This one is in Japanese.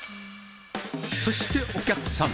そして、お客さん。